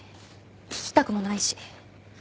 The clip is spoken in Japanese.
聞きたくもないし。